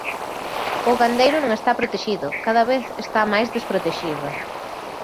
O gandeiro non está protexido, cada vez está máis desprotexido.